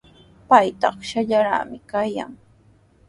Pay takshallaraqmi kaykan.